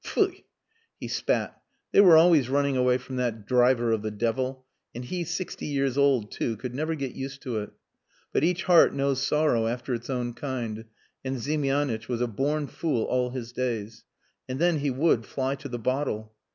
Pfui!" He spat. They were always running away from that driver of the devil and he sixty years old too; could never get used to it. But each heart knows sorrow after its own kind and Ziemianitch was a born fool all his days. And then he would fly to the bottle.